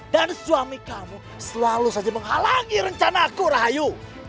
dan suami kamu selalu saja menghalangi rencana aku rahayu